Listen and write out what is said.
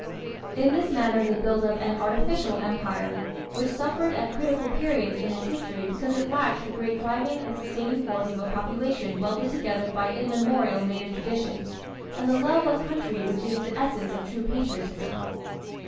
In this manner they built up an artificial empire, which suffered at critical periods in its history because it lacked the great driving and sustaining force of a population welded together by immemorial native traditions and the love of country which is the essence of true patriotism.